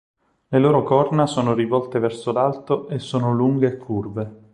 Le loro corna sono rivolte verso l'alto e sono lunghe e curve.